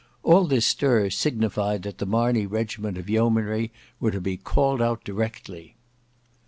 All this stir signified that the Marney regiment of Yeomanry were to be called out directly.